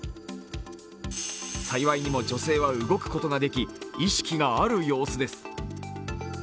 幸いにも女性は動くことができ、意識がある様子です。